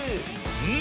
うん！